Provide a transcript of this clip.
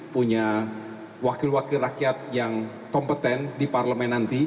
punya wakil wakil rakyat yang kompeten di parlemen nanti